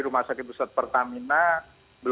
rumah sakit pertamina naruto awal